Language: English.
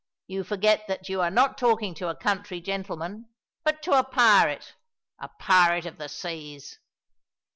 You forget that you are not talking to a country gentleman, but to a pirate, a pirate of the seas!"